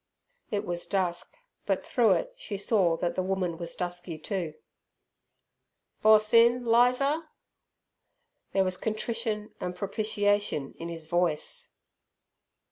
It was dusk, but through it she saw that the woman was dusky too. "Boss in, Lizer?" There was contrition and propitiation in his voice.